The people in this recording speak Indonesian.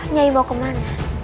nyai mau kemana